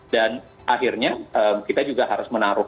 dan akhirnya kita juga harus menaruh